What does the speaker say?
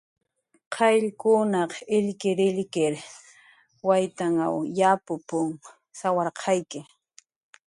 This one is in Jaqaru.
"Qayllkunaq illkirillkir waytw yapup""n sawarqayki."